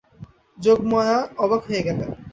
যোগমায়া অবাক হয়ে গেলেন।